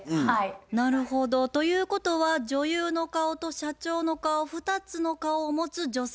なるほど。ということは女優の顔と社長の顔２つの顔を持つ女性ということですね。